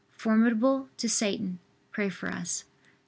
formidable to Satan, pray for us.